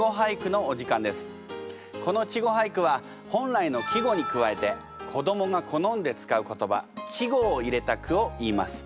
この稚語俳句は本来の季語に加えて子どもが好んで使う言葉稚語を入れた句をいいます。